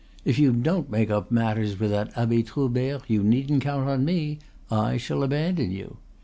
If you don't make up matters with that Abbe Troubert you needn't count on me; I shall abandon you.